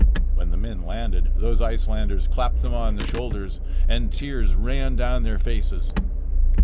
When the men landed, those Icelanders clapped them on the shoulders, and tears ran down their faces.